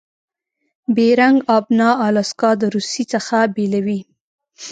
بیرنګ آبنا الاسکا د روسي څخه بیلوي.